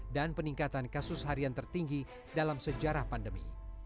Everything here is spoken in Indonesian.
peningkatan kasus harian tertinggi dalam sejarah pandemi